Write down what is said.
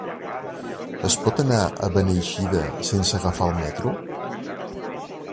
Es pot anar a Beneixida sense agafar el metro?